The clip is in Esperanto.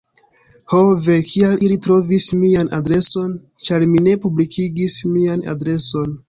Ho ve, kial ili trovis mian adreson? ĉar mi ne publikigis mian adreson.